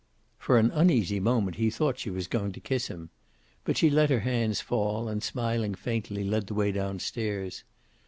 For an uneasy moment he thought she was going to kiss him. But she let her hands fall, and smiling faintly, led the way downstairs.